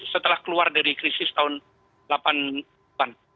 setelah keluar dari krisis tahun delapan puluh an